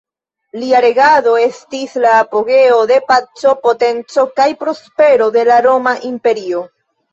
Lia regado estis la apogeo de paco potenco kaj prospero de la Roma imperio.